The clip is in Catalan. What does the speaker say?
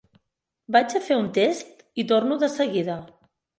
Vaig a fer un test i torno de seguida.